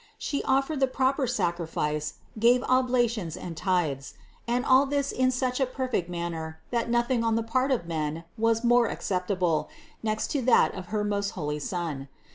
She offered the proper sacrifice, gave oblations and tithes ; and all this in such a perfect manner, that nothing on the part of men was more acceptable next to that of her most holy Son.